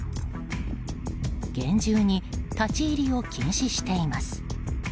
厳重に立ち入りを禁止しています。